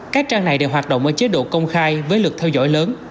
các trang này đều hoạt động ở chế độ công khai với lượt theo dõi lớn